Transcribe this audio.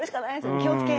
気をつけ！